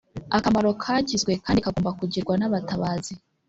- akamaro kagizwe kandi kagomba kugirwa n'abatabazi